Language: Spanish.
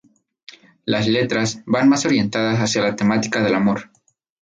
Las letras, van más orientadas hacia la temática del amor.